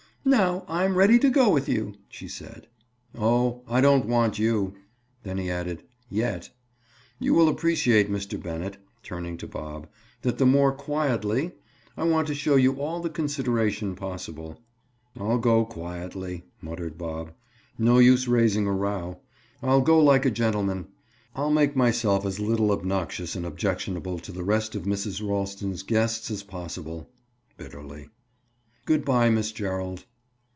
"Now, I'm ready to go with you," she said. "Oh, I don't want you"—then he added "yet! You will appreciate, Mr. Bennett"—turning to Bob—"that the more quietly—I want to show you all the consideration possible—" "I'll go quietly," muttered Bob. "No use raising a row! I'll go like a gentleman. I'll make myself as little obnoxious and objectionable to the rest of Mrs. Ralston's guests as possible." Bitterly. "Good by, Miss Gerald."